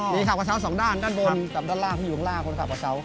มีขับกระเช้าสองด้านด้านบนกับด้านล่างที่อยู่ข้างล่างคนขับกระเช้า